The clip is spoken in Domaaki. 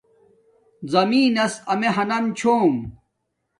زمین نس امیے ہانم چھوم